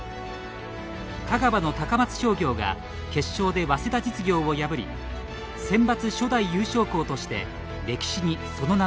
香川の高松商業が決勝で早稲田実業を破りセンバツ初代優勝校として歴史にその名を刻みました。